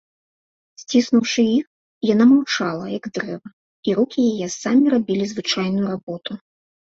Сціснуўшы іх, яна маўчала, як дрэва, і рукі яе самі рабілі звычайную работу.